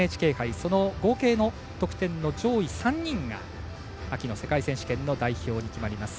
その合計の得点の上位３人が秋の世界選手権の代表に決まります。